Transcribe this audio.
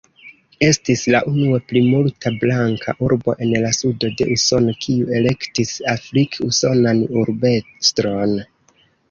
Estis la unua plimulta-blanka urbo en la Sudo de Usono kiu elektis afrik-usonan urbestron.